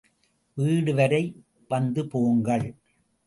வீடுவரை வந்து போங்கள்.